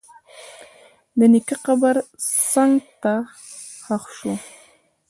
د نیکه قبر څنګ ته ښخ شو.